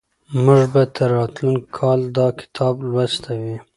موږ به تر راتلونکي کاله دا کتاب لوستلی وي.